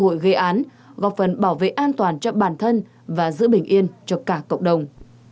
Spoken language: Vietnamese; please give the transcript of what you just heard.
cơ hội gây án gọc phần bảo vệ an toàn cho bản thân và giữ bình yên cho cả cộng đồng